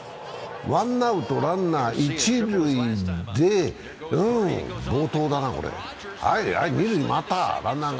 ワンアウト、ランナー、一塁で暴投だな、これはい、見ずにまたランナーが。